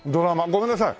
ごめんなさい。